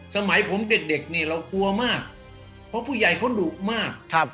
สมัยผมเด็กเนี่ยเรากลัวมากเพราะผู้ใหญ่เขาดุมาก